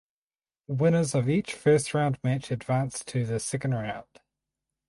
The winners of each first round match advanced to the second round.